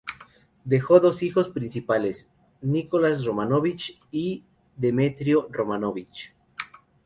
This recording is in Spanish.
Dejó dos hijos, los príncipes Nicolás Románovich y Demetrio Románovich.